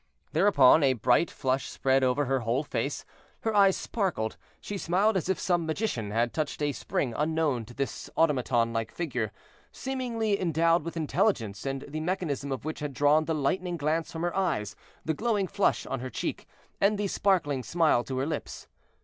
Thereupon, a bright flush spread over her whole face, her eyes sparkled, she smiled as if some magician had touched a spring unknown to this automaton like figure, seemingly endowed with intelligence, and the mechanism of which had drawn the lightning glance from her eyes, the glowing flush on her cheek, and the sparkling smile to her lips.